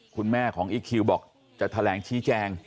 คุณแม่ของอีคคิวบอกจะแถลงชี้แจง